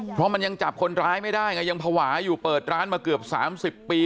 เพราะมันยังจับคนร้ายไม่ได้ไงยังภาวะอยู่เปิดร้านมาเกือบ๓๐ปี